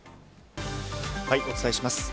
お伝えします。